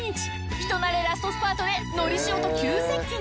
人なれラストスパートでのりしおと急接近！